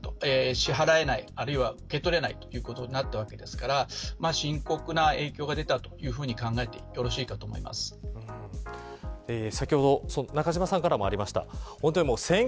支払えない、あるいは受け取れないということになったわけですから深刻な影響が出たと先ほど、中島さんからもありました。